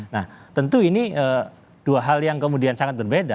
nah tentu ini dua hal yang kemudian sangat berbeda